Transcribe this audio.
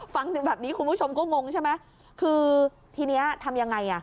ฟังถึงแบบนี้คุณผู้ชมก็งงใช่ไหมคือทีเนี้ยทำยังไงอ่ะ